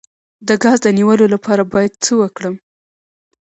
د ګاز د نیولو لپاره باید څه وکړم؟